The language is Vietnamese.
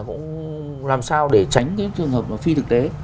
cũng làm sao để tránh cái trường hợp nó phi thực tế